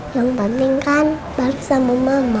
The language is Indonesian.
yang penting kan baru sama mama